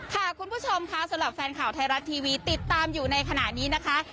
คุณผู้ชมค่ะสำหรับแฟนข่าวไทยรัฐทีวีติดตามอยู่ในขณะนี้นะคะ